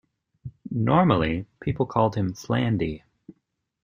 Normally people called him Flandy.